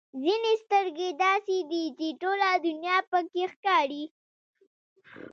ځینې سترګې داسې دي چې ټوله دنیا پکې ښکاري.